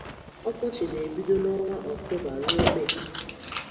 Ǫkǫchi na ebido na ǫnwa ǫktoba rue mee.